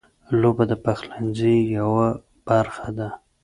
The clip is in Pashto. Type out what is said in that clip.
اوبه د پخلنځي یوه برخه ده.